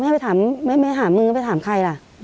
ไม่ไหลไปถามมือไม่ให้ไปถามใครล่ะ